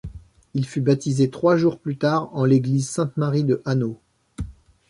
Il fut baptisé trois jours plus tard en l'église Sainte-Marie de Hanau.